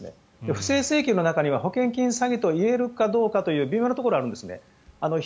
不正請求の中には保険金詐欺と言えるか微妙なところがあるんですね。